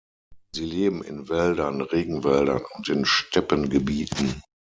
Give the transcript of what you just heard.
Sie leben in Wäldern, Regenwäldern und in Steppengebieten.